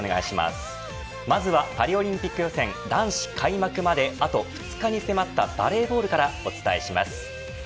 まずはパリオリンピック予選男子開幕まであと２日に迫ったバレーボールからお伝えします。